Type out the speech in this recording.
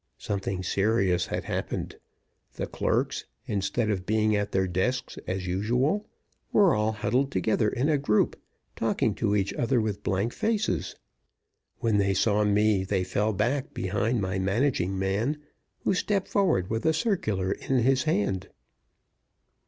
Something serious had happened. The clerks, instead of being at their desks as usual, were all huddled together in a group, talking to each other with blank faces. When they saw me, they fell back behind my managing man, who stepped forward with a circular in his hand.